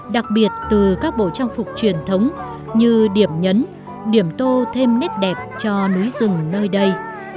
đặc biệt từ các bộ trang phục truyền thống như điểm nhấn điểm tô thêm nét đẹp cho núi rừng nơi đây